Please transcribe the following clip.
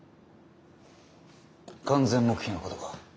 完全黙秘のことか。